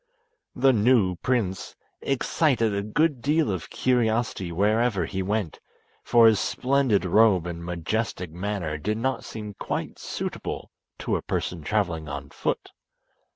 The new prince excited a good deal of curiosity where ever he went, for his splendid robe and majestic manner did not seem quite suitable to a person travelling on foot.